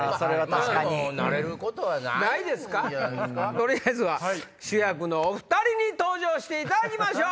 取りあえずは主役のお２人に登場していただきましょう！